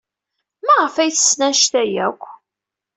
Maɣef ay ttessen anect-a akk?